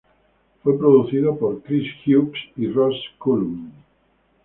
Fue producido por Chris Hughes y Ross Cullum.